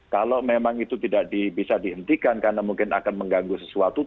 kalau memang itu tidak bisa dihentikan karena mungkin akan mengganggu sesuatu